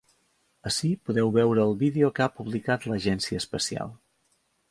Ací podeu veure el vídeo que ha publicat l’agència espacial.